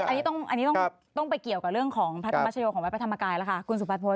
อันนี้ต้องไปเกี่ยวกับเรื่องของพระธรรมชโยของวัดพระธรรมกายแล้วค่ะคุณสุพัฒนพล